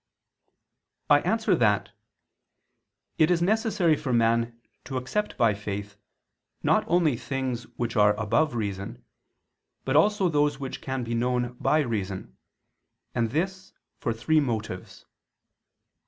I answer that, It is necessary for man to accept by faith not only things which are above reason, but also those which can be known by reason: and this for three motives.